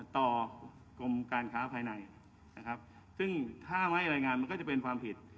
กรมการค้าภายในนะครับซึ่งถ้าไม่รายงานมันก็จะเป็นความผิด